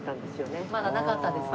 まだなかったんですか？